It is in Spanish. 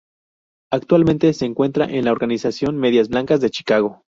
Actualmente se encuentra en la organización Medias Blancas de Chicago.